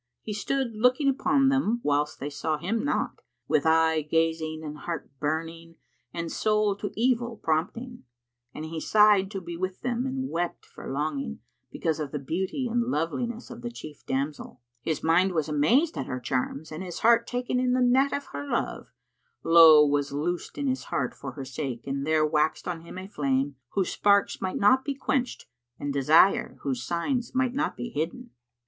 He stood looking upon them whilst they saw him not, with eye gazing and heart burning and soul[FN#54] to evil prompting; and he sighed to be with them and wept for longing, because of the beauty and loveliness of the chief damsel. His mind was amazed at her charms and his heart taken in the net of her love; lowe was loosed in his heart for her sake and there waxed on him a flame, whose sparks might not be quenched, and desire, whose signs might not be hidden.